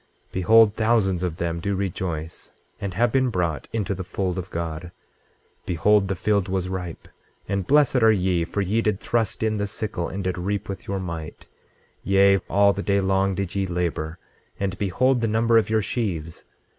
26:4 Behold, thousands of them do rejoice, and have been brought into the fold of God. 26:5 Behold, the field was ripe, and blessed are ye, for ye did thrust in the sickle, and did reap with your might, yea, all the day long did ye labor; and behold the number of your sheaves!